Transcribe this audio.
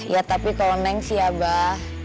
ya tapi kalo neng sih abah